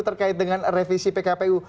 berkait dengan revisi pkpu